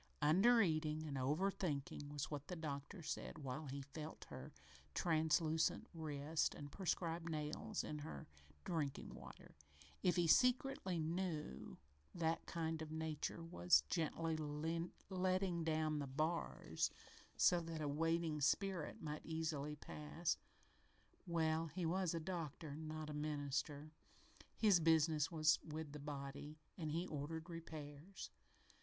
"Under eating and over thinking" was what the doctor said while he felt her translucent wrist and prescribed nails in her drinking water. If he secretly knew that kind nature was gently letting down the bars so that a waiting spirit might easily pass well, he was a doctor, not a minister. His business was with the body, and he ordered repairs.